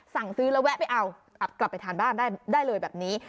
สั่งซื้อแล้วแวะไปเอากลับไปทานบ้านได้เลยแบบนี้